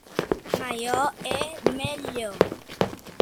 Maior e melhor